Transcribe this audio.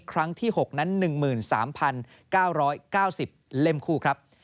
ครั้งที่๖นั้น๑๓๙๙๐เล่มคู่ครับ